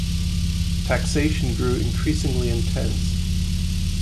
Taxation grew increasingly intense.